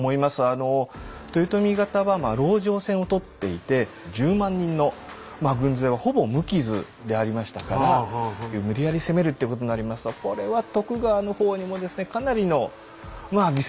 豊臣方は籠城戦を取っていて１０万人の軍勢はほぼ無傷でありましたから無理やり攻めるっていうことになりますとこれは徳川の方にもかなりの犠牲が出ると。